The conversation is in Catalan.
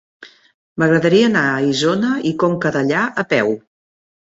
M'agradaria anar a Isona i Conca Dellà a peu.